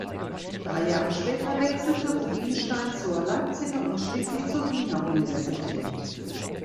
Drei Jahre später wechselte Rubinstein zur Leipziger und schließlich zur Wiener Universität.